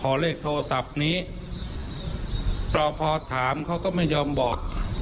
เลขโทรศัพท์นี้เราพอถามเขาก็ไม่ยอมบอก